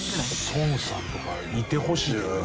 孫さんとかいてほしい。